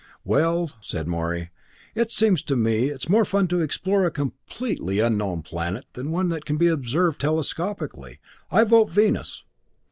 "Well," said Morey, "it seems to me it's more fun to explore a completely unknown planet than one that can be observed telescopically. I vote Venus."